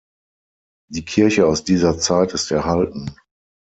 Die Kirche aus dieser Zeit ist erhalten.